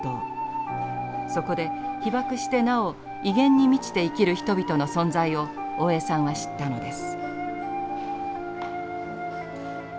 そこで被爆してなお威厳に満ちて生きる人々の存在を大江さんは知ったのです。